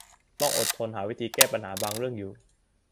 ต้องอดทนหาวิธีแก้ปัญหาบางเรื่องอยู่